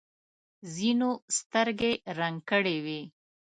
ځینو سترګې رنګ کړې وي.